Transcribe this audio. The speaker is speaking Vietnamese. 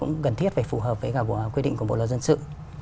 cũng cần thiết phải phù hợp với cả quy định của bộ luật dân sự